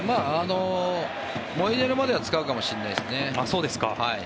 モイネロまでは使うかもしれないですね。